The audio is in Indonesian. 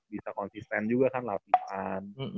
bisa konsisten juga kan latihan